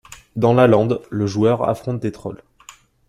Dans la Lande, le joueur affronte des trolls.